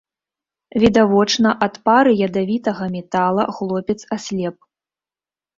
Відавочна, ад пары ядавітага метала хлопец аслеп.